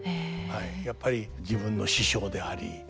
やっぱり自分の師匠でありまあ